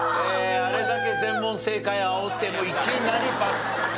あれだけ全問正解あおっていきなりバツ。